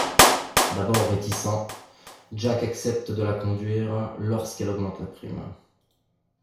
D'abord réticent, Jack accepte de la conduire lorsqu'elle augmente la prime.